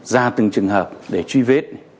ra từng trường hợp để truy vết